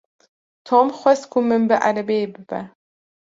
Tom xwest ku min bi erebeyê bibe.